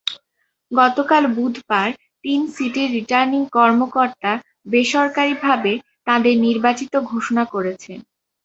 গতকাল বুধবার তিন সিটির রিটার্নিং কর্মকর্তা বেসরকারিভাবে তাঁদের নির্বাচিত ঘোষণা করেছেন।